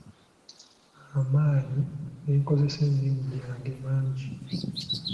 Amaanyi ge nkozesa emirimu gyange mangi.